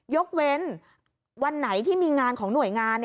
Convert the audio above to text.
ยกเว้นวันไหนที่มีงานของหน่วยงาน